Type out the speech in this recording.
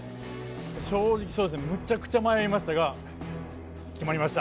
正直、そうですね、むちゃくちゃ迷いましたが決まりました。